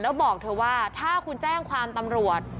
แล้วบอกเธอว่าถ้าคุณแจ้งความตำรวจ